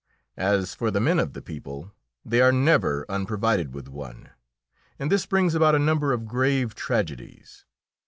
As for the men of the people, they are never unprovided with one, and this brings about a number of grave tragedies.